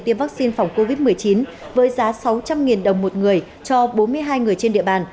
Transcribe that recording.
tiêm vaccine phòng covid một mươi chín với giá sáu trăm linh đồng một người cho bốn mươi hai người trên địa bàn